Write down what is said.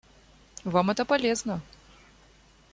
Вам это полезно.